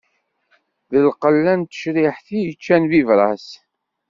D lqella n tecriḥt i yeččan bibras.